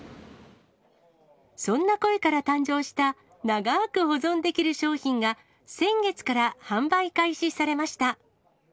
そんな声から誕生した長く保存できる商品が先月から販売開始されました。